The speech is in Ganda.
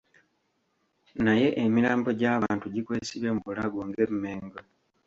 Naye emirambo gy'abantu gikwesibye mu bulago ng'emmengo.